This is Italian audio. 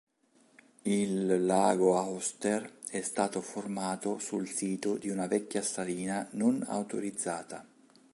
Il lago Auster è stato formato sul sito di una vecchia salina non autorizzata.